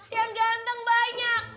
yang ganteng banyak